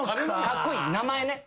カッコイイ名前ね。